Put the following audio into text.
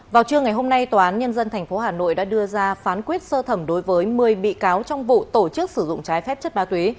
vào trưa ngày hôm nay tòa án nhân dân tp hà nội đã đưa ra phán quyết sơ thẩm đối với một mươi bị cáo trong vụ tổ chức sử dụng trái phép chất ma túy